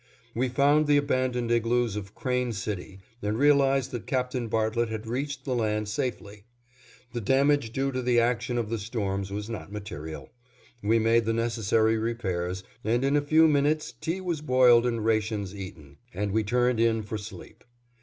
We found the abandoned igloos of Crane City and realized that Captain Bartlett had reached the land safely. The damage due to the action of the storms was not material. We made the necessary repairs, and in a few minutes tea was boiled and rations eaten, and we turned in for sleep.